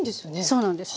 そうなんです。